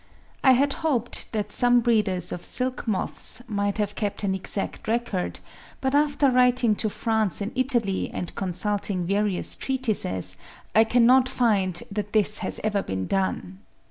I had hoped that some breeders of silk moths might have kept an exact record, but after writing to France and Italy, and consulting various treatises, I cannot find that this has ever been done.